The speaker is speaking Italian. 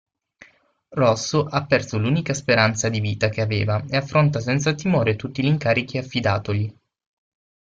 Rosso ha perso l'unica speranza di vita che aveva e affronta senza timore tutti gli incarichi affidatogli.